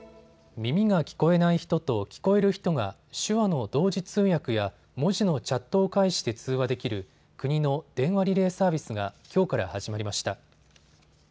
耳が聞こえない人と聞こえる人が、手話の同時通訳や文字のチャットを介して通話できる国の電話リレーサービスがきょうから始まりました。